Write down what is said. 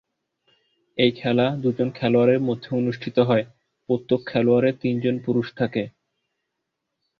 এই খেলা দুজন খেলোয়াড়ের মধ্যে অনুষ্ঠিত হয়; প্রত্যেক খেলোয়াড়ের তিনজন পুরুষ থাকে।